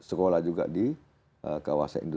sekolah juga di kawasan